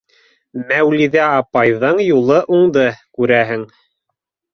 Мәүлиҙә апайҙың юлы уңды, күрәһең.